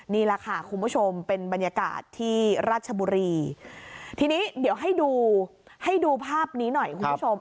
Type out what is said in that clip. นี่แหละค่ะคุณผู้ชมเป็นบรรยากาศที่ราชบุรีทีนี้เดี๋ยวให้ดูให้ดูภาพนี้หน่อยคุณผู้ชม